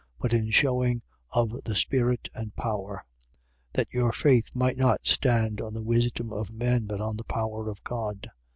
but in shewing of the Spirit and power: 2:5. That your faith might not stand on the wisdom of men, but on the power of God.